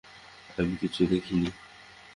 আমি কিচ্ছু দেখিনি।